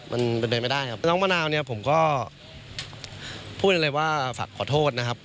มันเป็นไปไม่ได้ครับน้องมะนาวเนี่ยผมก็พูดเลยว่าฝากขอโทษนะครับ